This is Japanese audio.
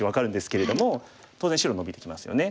当然白ノビてきますよね。